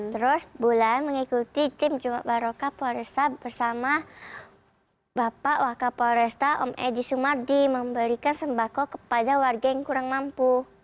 terus bulan mengikuti tim jumat baroka polresta bersama bapak wakapolresta om edi sumardi memberikan sembako kepada warga yang kurang mampu